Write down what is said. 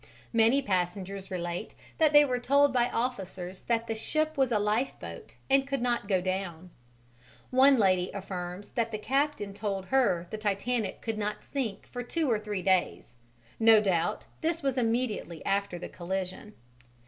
Many passengers relate that they were told by officers that the ship was a lifeboat and could not go down; one lady affirms that the captain told her the Titanic could not sink for two or three days; no doubt this was immediately after the collision.